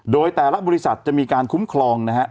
โดยแต่ละบริษัทจะมีการคุ้มครองนะฮะ